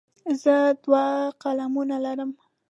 زه دوه قلمونه لرم.